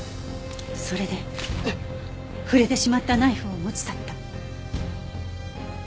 それで触れてしまったナイフを持ち去った。